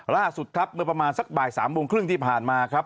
ล่าสุดครับเมื่อประมาณสักบ่าย๓โมงครึ่งที่ผ่านมาครับ